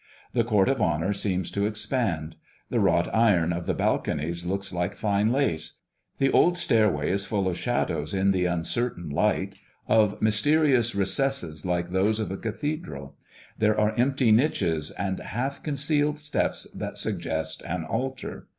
The court of honor seems to expand; the wrought iron of the balconies looks like fine lace; the old stairway is full of shadows in the uncertain light, of mysterious recesses like those of a cathedral; there are empty niches and half concealed steps that suggest an altar.